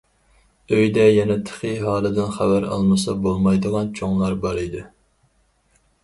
ئۆيدە يەنە تېخى ھالىدىن خەۋەر ئالمىسا بولمايدىغان چوڭلار بار ئىدى.